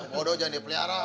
waduh jangan dipelihara